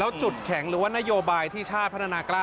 แล้วจุดแข็งหรือว่านโยบายที่ชาติพัฒนากล้า